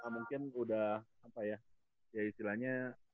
mungkin udah apa ya istilahnya